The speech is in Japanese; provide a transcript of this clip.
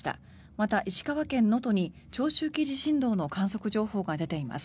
また、石川県能登に長周期地震動の観測情報が出ています。